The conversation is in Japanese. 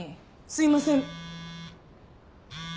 すいません。